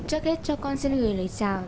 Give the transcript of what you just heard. trước hết cho con xin gửi lời chào